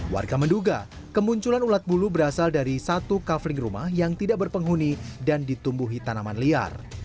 warga menduga kemunculan ulat bulu berasal dari satu kafling rumah yang tidak berpenghuni dan ditumbuhi tanaman liar